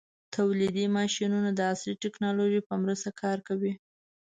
تولیدي ماشینونه د عصري ټېکنالوژۍ په مرسته کار کوي.